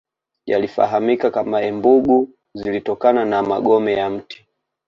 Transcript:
Yalifahamika kama embugu zilitokana na magome ya mti